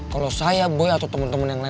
kalo saya boi atau temen dua yang lain